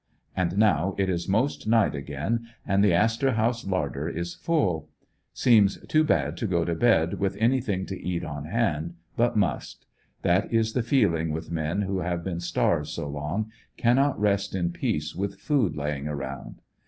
And now it is most night again and the '* Astor House " larder is full. Seems too bad to go to bed with anything to eat on hand, but must. That is the feeling with men who have been starved so long, cannot rest in peace with food laying around.